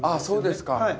そうですか。